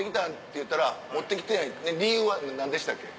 言うたら「持ってきてない」理由は何でしたっけ？